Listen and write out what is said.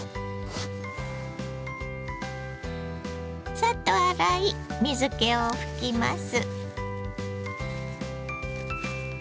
サッと洗い水けを拭きます。